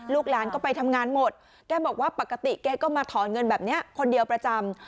ลูกหลานก็ไปทำงานหมดแกบอกว่าปกติแกก็มาถอนเงินแบบนี้คนเดียวประจำ